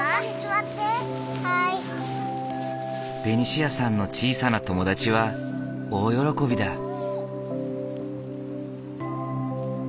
ベニシアさんの小さな友達は大喜びだ。